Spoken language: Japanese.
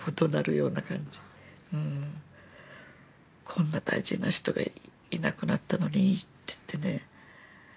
「こんな大事な人がいなくなったのに！」って言ってね。